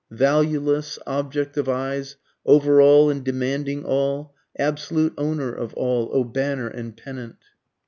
Valueless, object of eyes, over all and demanding all (absolute owner of all) O banner and pennant!